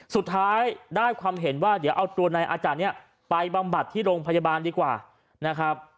สุดท้ายได้ความเห็นว่าเดี๋ยวเอาตัวนายอาจารย์เนี่ยไปบำบัดที่โรงพยาบาลดีกว่านะครับ